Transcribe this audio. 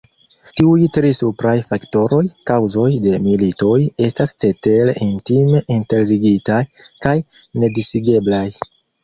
Tiuj tri supraj faktoroj, kaŭzoj de militoj estas cetere intime interligitaj kaj nedisigeblaj.